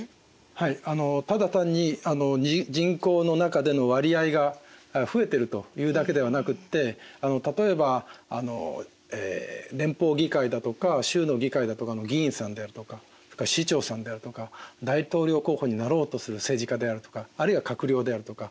ただ単に人口の中での割合が増えてるというだけではなくって例えば連邦議会だとか州の議会だとかの議員さんであるとか市長さんであるとか大統領候補になろうとする政治家であるとかあるいは閣僚であるとか。